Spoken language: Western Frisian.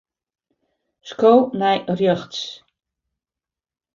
Sko nei rjochts.